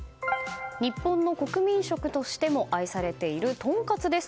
日本の国民食としても愛されているとんかつです。